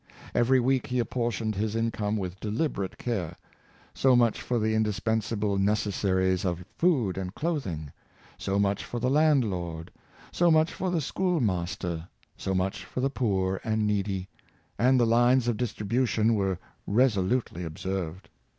Every week he apportioned his income with deliberate care; so much for the indispensable necessaries of food and clothing, so much for the landlord, so much for the schoolmaster, so much for the poor and needy; and the lines of distribution were resolutely observed.